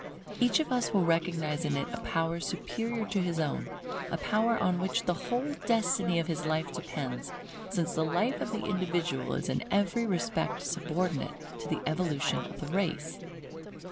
Each one of us will recognize in it a power superior to his own, a power on which the whole destiny of his life depends, since the life of the individual is in every respect subordinate to the evolution of the race.